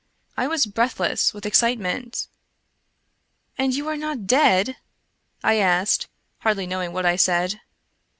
I was breathless with excitement. " And you are not dead ?" I asked, hardly knowing what I said.